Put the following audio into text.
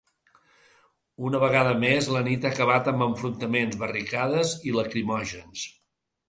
Una vegada més, la nit ha acabat amb enfrontaments, barricades i lacrimògens.